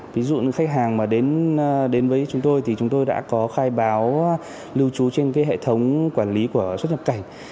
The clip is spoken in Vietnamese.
ví dụ như khách hàng mà đến với chúng tôi thì chúng tôi đã có khai báo lưu trú trên hệ thống quản lý của xuất nhập cảnh